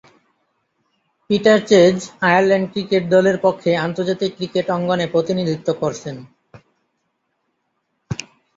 Peter Chase Ireland cricket দলের পক্ষে আন্তর্জাতিক ক্রিকেট অঙ্গনে প্রতিনিধিত্ব করছেন।